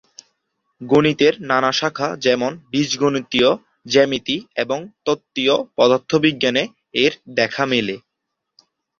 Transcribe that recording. গণিতের নানা শাখা যেমন: বীজগণিতীয় জ্যামিতি এবং তত্ত্বীয় পদার্থবিজ্ঞানে এর দেখা মেলে।